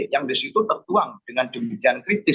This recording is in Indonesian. yang disitu tertuang dengan demikian kritis